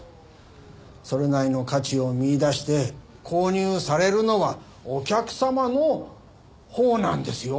それなりの価値を見いだして購入されるのはお客様のほうなんですよ。